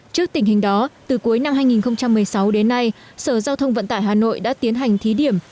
trước tình hình đó từ cuối năm hai nghìn một mươi sáu đến nay sở giao thông vận tải hà nội đã tiến hành thí điểm